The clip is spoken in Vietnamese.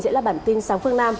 sẽ là bản tin sáng phương nam